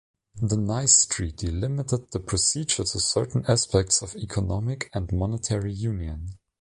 The Nice Treaty limited the procedure to certain aspects of economic and monetary union.